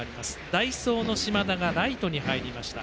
代走の島田がライトに入りました。